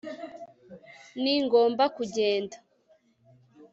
ningomba kugenda